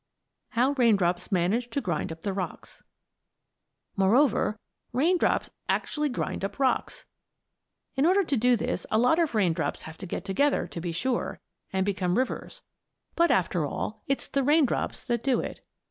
HOW RAINDROPS MANAGE TO GRIND UP THE ROCKS Moreover, raindrops actually grind up rocks. In order to do this a lot of raindrops have to get together, to be sure, and become rivers; but after all it's the raindrops that do it.